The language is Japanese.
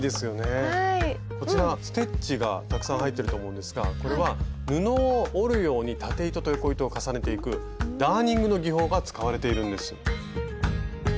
こちらステッチがたくさん入ってると思うんですがこれは布を織るように縦糸と横糸を重ねていくダーニングの技法が使われているんです。